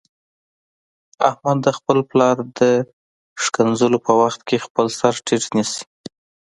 احمد د خپل پلار د کنځلو په وخت کې خپل سرټیټ نیسي.